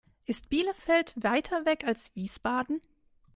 Ist Bielefeld weiter weg als Wiesbaden?